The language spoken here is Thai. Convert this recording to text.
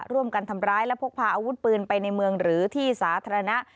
ร่วมกันทำร้ายและพกพาอาวุธปืนไปในเมืองหรือที่สาธารณะ